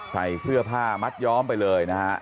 ใส่เสื้อผ้ามัดย้อมไปเลยนะฮะ